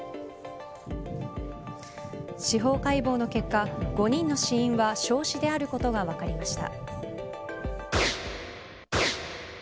司法解剖の結果、５人の死因は焼死であることが分かりました。